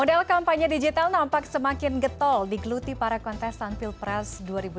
model kampanye digital nampak semakin getol di gluti para kontestan pilpres dua ribu dua puluh empat